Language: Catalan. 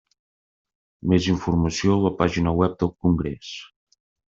Més informació a la pàgina web del congrés.